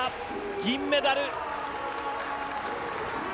銀メダル。